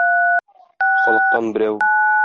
Халыктан берәү.